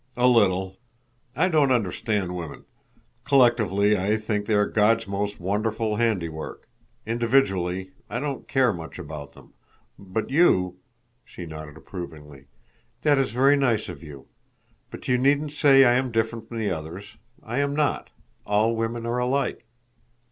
"A little. I don't understand women. Collectively I think they are God's most wonderful handiwork. Individually I don't care much about them. But you—" She nodded approvingly. "That is very nice of you. But you needn't say I am different from the others. I am not. All women are alike."